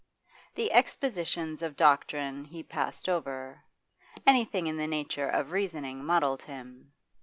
The expositions of doctrine he passed over; anything in the nature of reasoning muddled him.